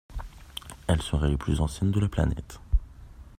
Elles seraient les plus anciennes de la planète.